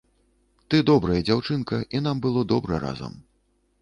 Ты добрая дзяўчынка, і нам было добра разам.